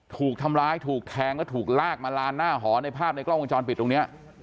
ถูกทำร้ายถูกแทงแล้วถูกลากมาลานหน้าหอในภาพในกล้องวงจรปิดตรงนี้